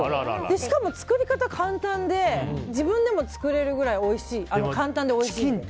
しかも作り方、簡単で自分でも作れるくらい簡単でおいしいんです。